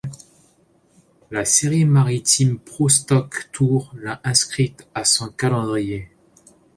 La série Maritime Pro Stock Tour l'a inscrite à son calendrier.